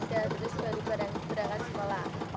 terus berjalan berangkat sekolah